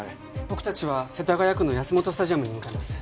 僕達は世田谷区のヤスモトスタジアムに向かいます